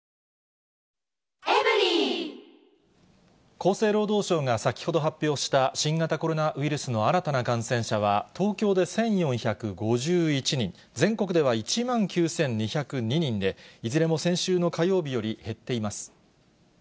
厚生労働省が先ほど発表した、新型コロナウイルスの新たな感染者は、東京で１４５１人、全国では１万９２０２人で、いずれも先週の火曜日より減っています。